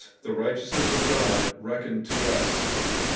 THE RIGHTEOUSNESS OF GOD RECKONED TO US